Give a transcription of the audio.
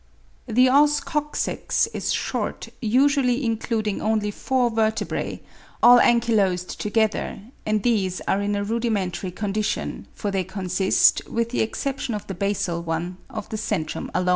The os coccyx is short, usually including only four vertebrae, all anchylosed together: and these are in a rudimentary condition, for they consist, with the exception of the basal one, of the centrum alone.